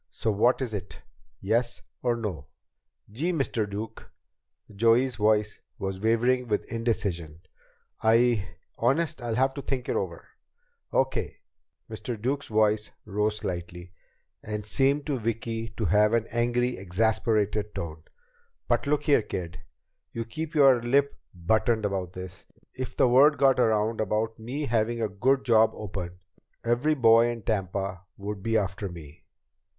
So what is it? Yes or no?" "Gee, Mr. Duke!" Joey's voice was wavering with indecision. "I Honest, I'll have to think it over." "Okay!" Mr. Duke's voice rose slightly, and seemed to Vicki to have an angry, exasperated tone. "But look here, kid. You keep your lip buttoned about this. If the word got around about me having a good job open, every boy in Tampa would be after me.